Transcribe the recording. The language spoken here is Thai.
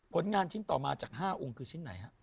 ผลงานชิ้นต่อมาจาก๕องค์คือชิ้นไหนฮะ